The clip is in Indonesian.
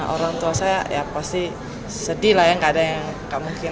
orang tua saya ya pasti sedih lah ya nggak ada yang gak mungkin